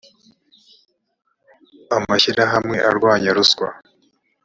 amashyirahamwe arwanya ruswa